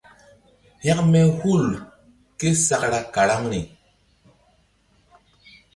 Hȩkme hul késakra karaŋri.